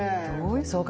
そうか。